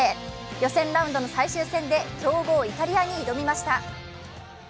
予選ラウンドの最終戦で強豪・イタリアに挑みました。